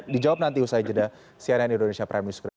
dijawab nanti usai jeddah cnn indonesia prime news kerajaan